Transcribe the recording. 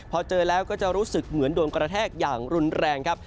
พอเจอแล้วก็จะรู้สึกเหมือนโดนกระแทกอย่างรุนแรงครับ